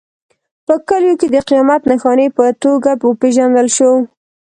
په کلیو کې د قیامت نښانې په توګه وپېژندل شو.